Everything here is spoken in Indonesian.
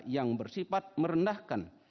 yang bersifat merendahkan